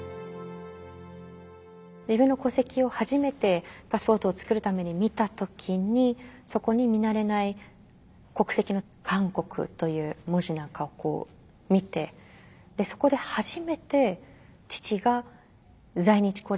自分の戸籍を初めてパスポートを作るために見た時にそこに見慣れない国籍の韓国という文字なんかを見てそこで初めて父が在日コリアンだったということを知ったんですよね。